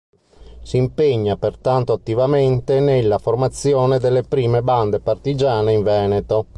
Si impegna pertanto attivamente nella formazione delle prime bande partigiane in Veneto.